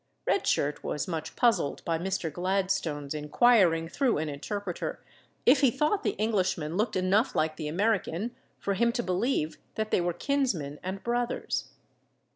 Red Shirt was much puzzled by Mr. Gladstone's inquiring, through an interpreter, if he thought the Englishman looked enough like the American for him to believe that they were kinsmen and brothers.